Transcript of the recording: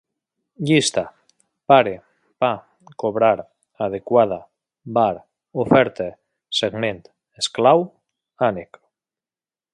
Llista: pare, pa, cobrar, adequada, bar, oferta, segment, esclau, ànec